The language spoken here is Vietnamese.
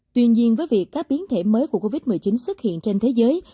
tuy nhiên với việc các biến thể mới của covid một mươi chín xuất hiện trên thế giới